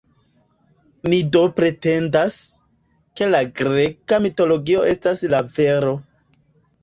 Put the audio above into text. Ni do pretendas, ke la greka mitologio estas la vero.